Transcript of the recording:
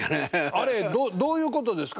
あれどういうことですか？